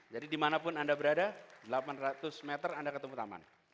jadi dimanapun anda berada delapan ratus meter anda ketemu taman